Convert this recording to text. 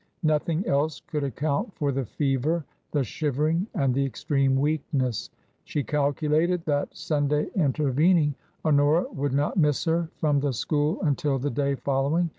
Nothing else could account for the fever, the shivering, and the extreme weakness. She calculated that, Sunday intervening, Honora would not miss her from the school until the day following.